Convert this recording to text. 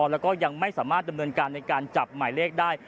แล้วก็ยังไม่สามารถดำเนินการในการจับหมายเลขได้